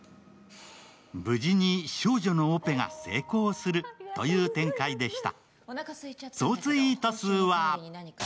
無事に少女のオペが成功するという展開でした。